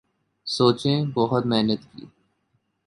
سوچیں بہت محنت کی